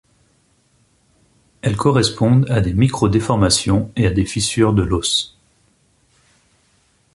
Elles correspondent à des micro-déformations et à des fissures de l'os.